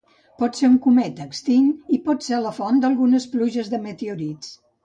Pot ser un cometa extint, i pot ser la font d'algunes pluges de meteorits.